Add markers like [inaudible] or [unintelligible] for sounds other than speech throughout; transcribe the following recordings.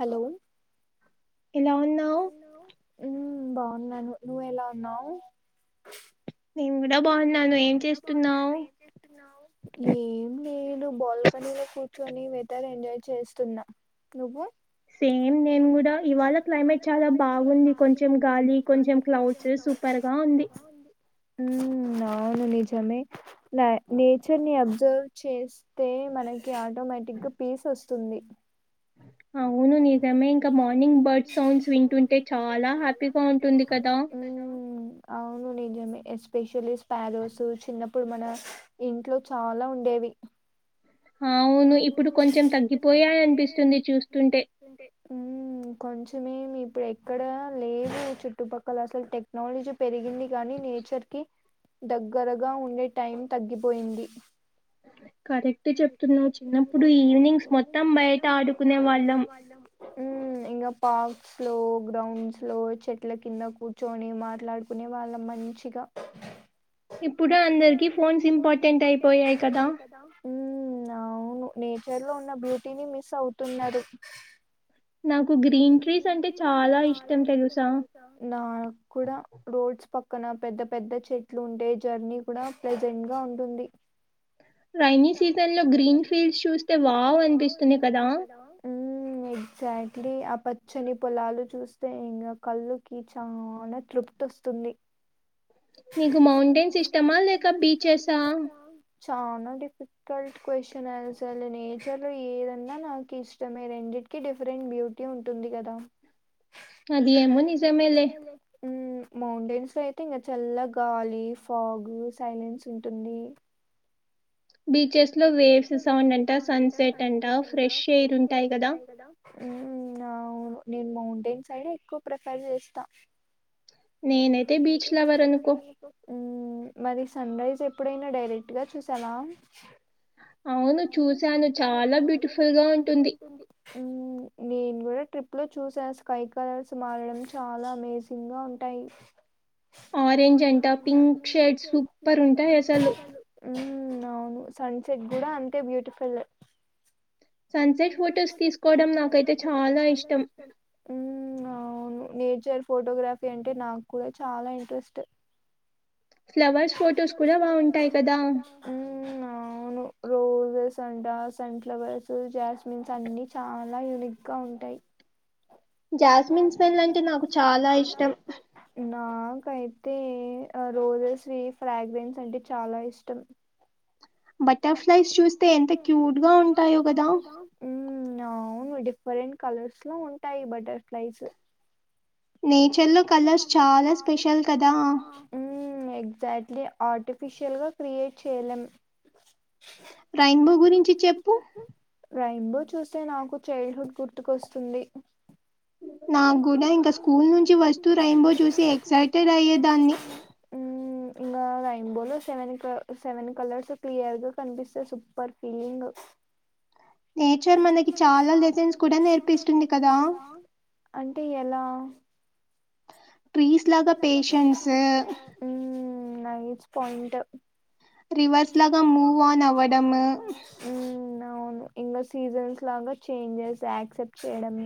hello ఎలా ఉన్నావు బాగు ఉన్నాను నువ్వె ఎలా ఉన్నావు్ ఏమ్ నేను బాల్కనీలో కూర్చొని విటర్ ఎంజాయ్ చేస్తు ఉన్నా నువ్వు సేమ్ నేను కూడా ఇవాళ క్లైమేట్ చాలా బాగుంది కొంచెం గాలి కొంచెం క్లౌడ్స్ సూపర్గా ఉంది అవును నిజమే నా నేచర్ ని అబ్జర్వ్ చేస్తే మనకి కి ఆటోమేటిక్ గా పీస్ వస్తు ఉంది అవును నిజమే ఇంకా మార్నింగ్ బర్డ్ సౌండ్స్ వింటుంటే చాలా హ్యాపీగా ఉంటుంది కదా నిజం మే ఎస్పెషల్లీ స్పారోస్ చిన్న అప్పుడు మన ఇంట్లో చాలా ఉండేవి అవును ఇప్పుడు కొంచెం తగ్గిపోయాయి అనిపిస్తుింది చూస్తుంటే కొంచెం మే ఇప్పుడు మేముఎక్కడ లేదు చుట్టుపక్కల అసలు టెక్నాలజీ పెరిగింది గాని నేచర్ కి దగ్గరగా ఉండే టైం తగ్గిపోయింది కరెక్ట్ చెప్టర్ ఉమ్ ఇంగ పార్క్స్ లో గ్రౌండ్స్ లో చెట్ల కింద కూర్చొని మాట్లాడుకునే వాళ్ళ మంచిగా అ ఉమ్ ఆ అవును నేచర్ లో ఉన్న బ్యూటీని మిస్ అవుతు ఉన్నారు నాకు నాక్ కూడ రోడ్స్ పక్క క్కన పెద్ద పెద్ద చెట్లు ఉంటే జర్నీ కూడా ప్రెజెంట్ గా ఉంటుంది రాైనీ సిజల్ మ్ ఏ ఎగ్జాక్ట్లీ ఆ పచ్చని పొలాలు చూస్తే ఇంకా కళ్ళుకి చాలా తృప్తి వస్తుంది చాన డిఫ్ క్వశ్చన్ ఆల్సర్ నేచర్ లో ఏదన్నా నాకు ఇష్టమే రెండింటికిీ డిఫరెంట్ బ్యూటీ ఉంటుంది ఉంది గదా అదేమో నిజ మేలే మనసులో అయితే ఇంకా చల్ల గాలి ఫాగు సైలెన్స్ ఉంటుంది బీచెస్ లో వేస్ సౌండ్ అంట సన్ సెట్ అంట ఫ్రెష్ ఎయిర్ ఉంటాయి కదా అవును నేను మౌంటైన్ సైడ్ ఎక్కువ ప్రిఫర్ చేస్తా ని నైతే బీచ్లావరనుకో మ్ మరి సన్ రైజ్ ఎప్పుడైనా డైరెక్ట్గా చూసవా అవును చూశాను చాలా బ్యూటిఫుల్ గా ఉంటుంది మ్ నేను కూడా ట్రిప్ లో చూస స్కై కలర్స్ మారడం చాలా అమేజింగ్ గా ఉంటాయి ఆరెంజ్ అంట పింక్ షేర్ట్ సూపర్ ఉంటాయి అసలు సన్ సెట్ కూడా అంతే బ్యూటిఫుల్ సన్ సెట్ ఫటోస్ తీసుకోవడం నాకైతే చాలా ఇష్టం మ్ అ అవును నేచర్ ఫోటోగ్రఫీ అంటే నాకు కూడా చాలా ఇంట్రెస్ట్ నరోష్ ఫొటోస్ కూడా బాగుంటాయి కదా మ్ అవ్ రో సంట సన్ఫ్లవర్స్ జాస్మిన్స్ అన్ని చాలా యూనిక్ గా ఉంటాయి జ స్మిన్ స్మైల్ అంటే నాకు చాలా ఇష్టం నాక్ కైతే రోజెస్ వి ఫ్రాగ్రెన్స్ అంటే చాలా ఇష్టం బటర్ఫ్లై చూస్తే ఎంత స్్యూట్ గా ఉంటాయో కదా మ్ అవ్ డిఫరెంట్ కలర్స్ లో ఉంటాయి బటర్ఫ్లైస్ నేచర్ లలో కలర్స్ చాలా స్పెషల్ కదా మ్ మ్ ఎగ్జాక్ట్లీ ఆర్టిఫిషియల్ గా క్రియేట్ చేయలేం రాైన్బో గురించి చెప్పు ఎంబో చూస్తే నాకు చైల్డ్ హుడ్ గుర్తుకొస్తుంది అ నాగ్గుడా ఇంకో [unintelligible] మ్ ఇంగ రైంబోలో సెవెన్ క సెవెన్ కలర్స్ క్లియర్ గా కనిపిస్తే సూపర్ ఫీలింగ్ ని నేచర్ మనకి చాలా మెసేజ్ కూడా నేర్పిస్తుంది కదా అంటే ఎలా మ్ నైస్ పాయింట్ రివర్స్ లాగా మూవ్ ఆన్ అవడం మ్ అవును ఇంకా సీజన్స్ లాగా చేంజెస్ యాక్సెప్ట్ చేయడం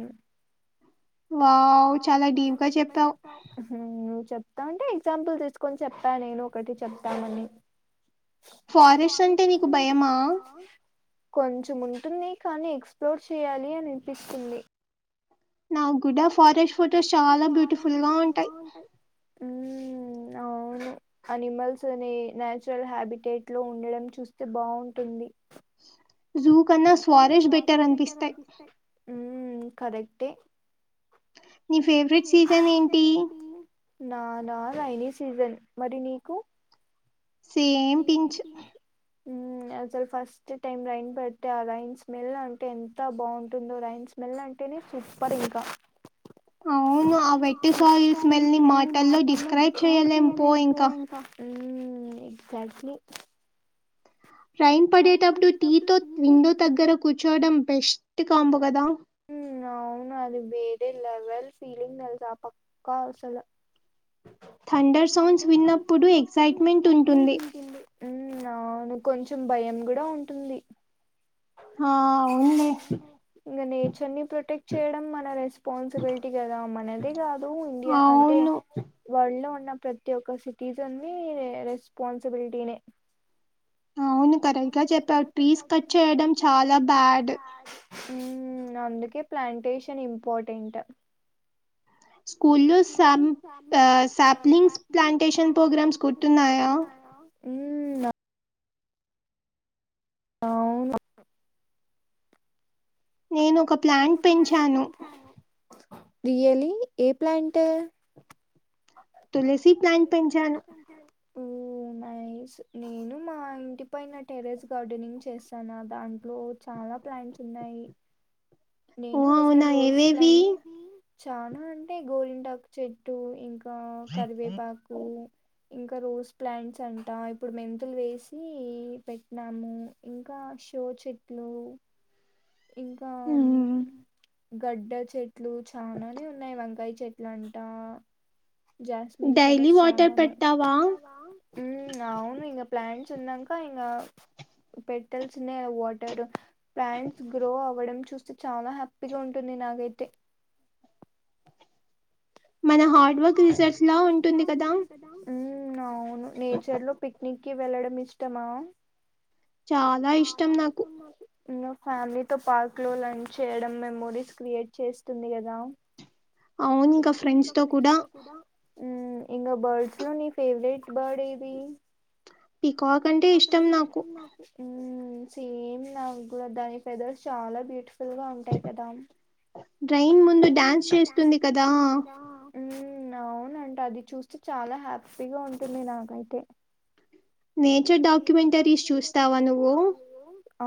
వావ్ చాల డీప్ గ చెప్పావ్ మ్ నువ్ చెప్ ప్త ఉంటే ఎగ్జాంపుల్ తీసుకొని చెప్పా నేను ఒకటి చెప్తామని ఫారెస్ట్ అంటే నీకు భయమా కొంచెం ఉంటుంది కానీ ఎక్స్ప్లోర్ చేయాలి అని అనిపిస్తుంది నాకు కూడా ఫారెస్ట్ ఫొటోస్ చాలా బ్యూటిఫుల్ గా ఉంటాయి ను అనిమల్స్ అని నచురల్ హ్యాబిటేట్ లో ఉండడం చూస్తే బాగుంటుంది జూ కన్నా స్వారేజ్ బెటర్ అనిపిస్తయి మ్ కరెక్టే నీ ఫేవరేట్ సీజన్ ఏంటి నా నా రైని సీజన్ మరి నీకు సేమ్ పించ్ అసలు ఫస్ట్ టైం రైన్ పెడితే ఆ రైన్ స్మెల్ అంటే ఎంత బాగుంటుందో రైన్ స్మెల్ అంటే సూపర్ ఇంకా అ అవును ఆ వెట్ సాయిల్ స్మెల్ ని మాటల్లో డిస్క్రైబ్ చేయలేం పో ఇంకా రైన్ పడేటప్పుడు టీ తో విండో దగ్గర కూర్చోవడం బెస్ట్ కాంబో కదా అవును అది వేరే లెవల్ ఫీలింగ్ తెలుసా పక్క అసల థండర్ సౌండ్స్ విన్నప్పుడు ఎక్సైట్మెంట్ ఉంటుంది ఉ అవును కొంచెం భయం కూడా ఉంటుంది హ అవును ప్రొటెక్ట్ చెయ్యడం మన రెస్పాన్సబల్ కదా మనది కాదు ఇండియా అంటే వరల్డ్ లో ఉన్న ప్రతి ఒక్క సిటీజన్ది రెస్పాన్సిబిలిటీనే అవు ఇక్కడ చెప్పచ్చ ఇన్స్పట చేయడం చాలా బ్యాడు అందుకే ప్లాంటేషన్ ఇంపార్టెంటు స్కూల్లో సా సాప్లింగ్స్ ప్లాంటేషన్ ప్రోగ్రామ్స్ గుర్తున్నాయా అవును నేను ఒక ప్లాంట్ పెంచాను రియలీ ఏ ప్లాంటు తులసి ప్లాంట్ పెంచాను నైస్ నేను మా ఇంటి పైన టెరెస్ గార్డెనింగ్ చేస్తాను దాంట్లో చాలా ప్లాంట్స్ ఉన్నాయి నేను ఒకసారి రోజ్ ప్లాంట్ చానా అంటే గోరిటాకు చెట్టు ఇంకా కరివేపాకు ఇంకా రోస్ ప్లాంట్స్ అంటా ఇప్పుడు మెంతులు వేసి పెట్టినాము ఇంకా షో చెట్లు ఇంకా గడ్డ చెట్లు చాలానే ఉన్నాయి వంకాయ చె చెట్ల అంటా జాస్మిన్ ఫ్లవర్స్ చానా ఉన్నాయి అవును ఇ ప్లాంట్స్ న్నాక ఇంగ పెట్టాల్సిిన వాటర్ ప్లాంట్స్ గ్రో అవ్వడం చూస్తే చాలా హ్యాపీగా ఉంటుంది నాకైతే మన హార్డ్ వర్క్ రిజల్ట్ లా ఉంటుంది కదా హమ్ అవును నేచర్ లో పిక్నిక్ కి వెళ్ళడం ఇష్టమా చాలా ఇష్టం నాకు ఇంగ ఫ్యామిలీతో పార్క్ లో లంచ్ చేయడం మెమోరీస్ క్రియేట్ చేస్తుంది కదా అవును ఇంకా ఫ్రెండ్స్ తో కూడా ఇంకా బర్డ్స్ లో నీ ఫేవరెట్ బర్డ్ ఏది పీకాక్ అంటే ఇష్టం నాకు సేమ్ నాగ్గుడా దాని ఫెదర్స్ చాలా బ్యూటిఫుల్ గా ఉంటాయి కదా రైన్ ముందు డ్యాన్స్ చేస్తుంది కదా ఉ అవునంట అది చూస్తే చాలా హ్యాపీగా ఉంటుంది నాకైతే నేచర్ డాక్యుమెంటరీస్ చూస్తావా నువ్వు ఆ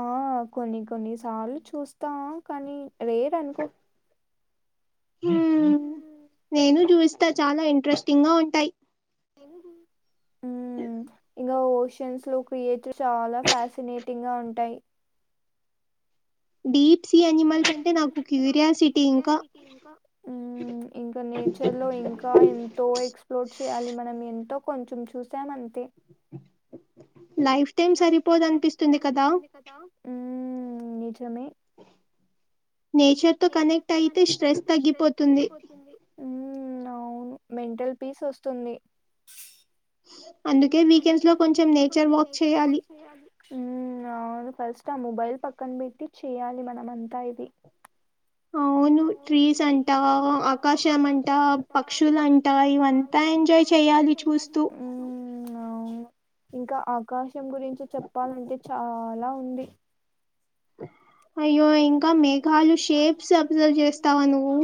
కొన్ని కొన్నిసార్లు చూస్తా కానీ రేరానుకో హ్మ్ నేను చూస్తా చాలా ఇంట్రెస్టింగ్ గా ఉంటాయి ఇంకా ఓషన్స్ క్రియేటర్ చాలా ఫ్యాసినేటింగ్ గా ఉంటాయి ఇం [inaudible] లో ఇంకా ఎంతో ఎక్సప్లోర్ చేయలి మనం ఎంతో కొంచం చూసాం అంతే మ్మ్ నిజమే ఉ ఊ అవును మెంటల్ పీస్ ఒస్తుంది ఊ అవును ఫస్ టా మొబైల్ పక్కన్ బెట్టి చెయ్యాలి మనమంతా ఇది అవున్ ట్రీస్ అంటా అకాశం అంటా పక్షులంటా ఇవంతా ఎంజాయ్ చెయ్యా మ్మ్ అవును ఇంక ఆకాశం గురించి చెప్పాలంటె చాలా ఉంది అయ్యో ఇంకా మేఘాలు షేప్స్ అబ్సర్వ్ చేస్తావా నువ్వూ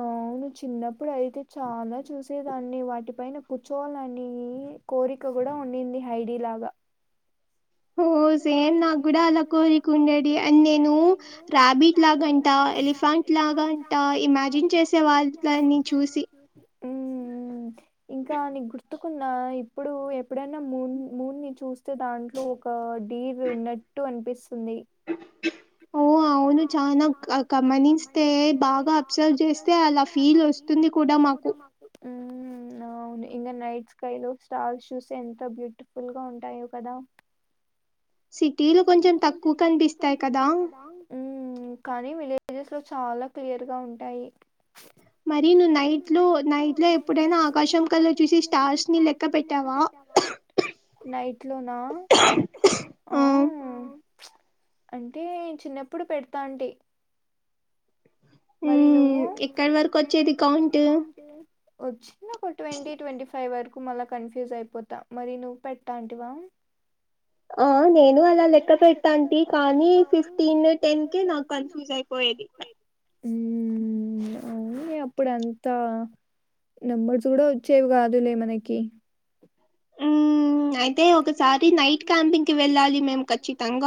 ఔను చిన్నప్పుడయితె చాల చూసేదాన్ని వాటి పైన కుర్చొవాలనీ కోరిక గూడా ఉండింది హైడీ లాగ ఓ సేమ్ నాగ్గుడా అల కోరికుండేది అండ్ నేనూ రాబిట్లాగంటా ఎలిఫంట్ లాగా అంట ఇమాజిన్ చేసే వాల్ దాన్ని చూసి ఇంకా నీక్ గుర్తుకుందా ఇప్పుడూ ఎప్పుడైన మూన్ మూన్ ని చూస్తే దాంట్లో ఒకా [unintelligible] ఉన్నట్టు అనిపిస్తుంది [unintelligible] అవును చానా గ గమనిస్తే బాగా అబ్సర్వ్ చేస్తే అలా ఫీల్ ఒస్తుంది కూడా మ [unintelligible] ఆవును ఇంగ నైట్ స్కై లో స్టార్ షూస్ ఎంత బ్యూటిఫుల్ గా ఉంటాయో కదా సిటీలొ కొంచం తక్కువు కనిపిస్తాయ్ కదా కానీ విలేజెస్ లో చాలా క్లియర్ గా ఉంటాయి [inaudible] మరీ ను నైట్ లో నైట్ లో ఎప్పుడైనా ఆకాశం కల్ల చూశి స్టార్స్ ని లెక్క పెట్టావా నైట్ లొనా ఆ అంటే చిన్నప్పుడు పెడతాంటి మరి నువ్వూ ఒచ్చిందొక ట్వేంటీ ట్వేంటి ఫై వరకు మళ్ళ కన్ఫ్యూజ్ అయిపోతా మరి నువ్ పెట్టా అంటివా ఆ నేనే అలా లెక్క పెడ్తాంటి కానీ ఫిఫ్టీన్ టెన్ కి నాకన్ఫ్యూజ్ అయిపోయేది [inaudible] మ్మ్ అవున్లే అప్పుడంతా నంబర్స్ గుడా ఇచ్చేవి గాదులే మనకీ ఊ ఐతే ఒకసారి నైట్ క్యాంపింగ్కి వెళ్ళాలి మేము ఖచ్చితంగ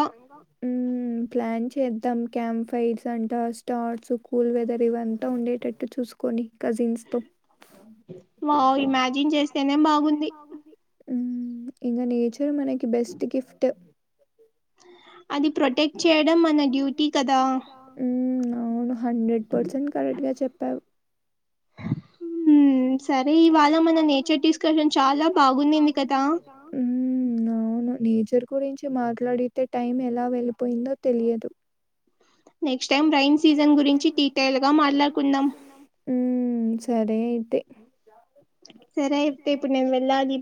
[inaudible] ప్లాన్ చేద్దాం క్యాంప్ ఫైర్స్ అంటా స్టార్స్ కూల్ వెదర్ ఇవంతా ఉండేటట్టు చూస్కొని కజిన్స్ తొ మ్మ్ ఇంగ నేచర్ మనకి బెస్ట్ గిఫ్ట్ అది ప్రొటెక్ట్ చేయడం మన డ్యూటీ కదా హండ్రెడ్ పర్సెంట్ కరెక్ట్ గా చెప్పావ్ హమ్ సరే ఇవాళ మన నేచర్ తీస్కెల్డం చాలా బాగుంనింది ఊ నవును నే చర్ గురించి మాట్లాడితే టైం ఎలా వెళ్ళిపోయిందో తెలియదు నెక్ట్సైమ్ రన్ సీజన్ గురించి డీటైల్డ్ గా మాట్లాడుకుందాం మ్ సరే అయితే సరే ఐప్తే ఇప్పుడు నేన్ వెళ్ళాలి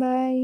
బాయ్